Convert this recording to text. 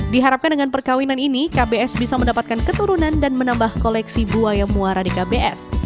diharapkan dengan perkawinan ini kbs bisa mendapatkan keturunan dan menambah koleksi buaya muara di kbs